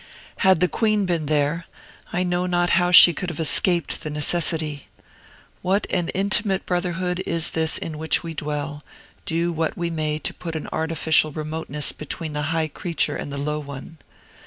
Had the Queen been there, I know not how she could have escaped the necessity. What an intimate brotherhood is this in which we dwell, do what we may to put an artificial remoteness between the high creature and the low one!